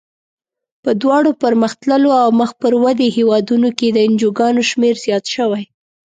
په دواړو پرمختللو او مخ پر ودې هېوادونو کې د انجوګانو شمیر زیات شوی.